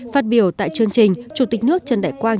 phát biểu tại chương trình chủ tịch nước trần đại quang